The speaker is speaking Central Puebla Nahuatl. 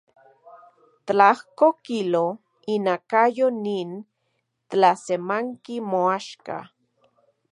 Tlajko kilo inakayo nin tlasemanki moaxka.